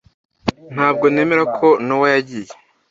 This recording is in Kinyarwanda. Ntabwo nemera ko Nowa yagiye.